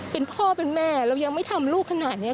เป็นพ่อเป็นแม่เรายังไม่ทำลูกขนาดนี้